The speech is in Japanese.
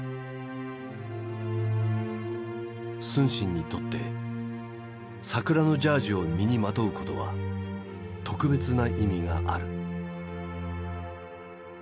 承信にとって「桜のジャージ」を身にまとうことは特別な意味がある。